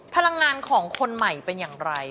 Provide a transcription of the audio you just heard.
พลังงานของคนใหม่เป็นอย่างไร